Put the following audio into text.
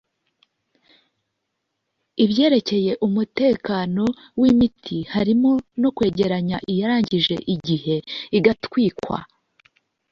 ibyerekeye umutekano w’imiti harimo no kwegeranya iyarangije igihe igatwikwa